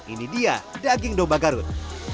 ini dia daging domba garut